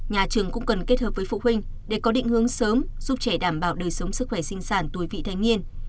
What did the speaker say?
nhà trường cũng cần kết hợp với phụ huynh để có định hướng sớm giúp trẻ đảm bảo đời sống sức khỏe sinh sản tuổi vị thanh niên